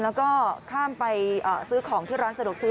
แล้วก็ข้ามไปซื้อของที่ร้านสะดวกซื้อ